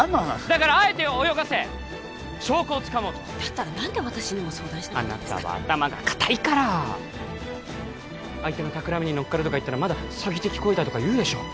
だからあえて泳がせ証拠をつかもうとだったら何で私にも相談しないあなたは頭が固いから相手の企みに乗っかると言ったら詐欺的行為だとか言うでしょ？